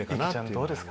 どうですか？